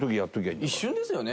玉森：一瞬ですよね！